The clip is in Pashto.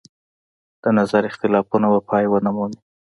د نظر اختلافونه به پای ونه مومي.